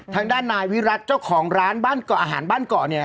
ทางด้านนายวิรัติเจ้าของร้านบ้านเกาะอาหารบ้านเกาะเนี่ย